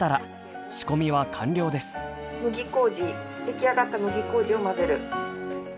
麦麹出来上がった麦麹を混ぜる。